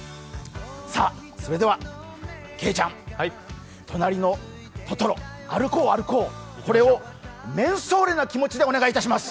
さあ、それではけいちゃん、「となりのトトロ」、歩こう、歩こう、これをメンソーレな気持ちでお願いします。